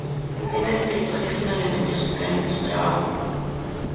El tema espiritual es un elemento central en su trabajo.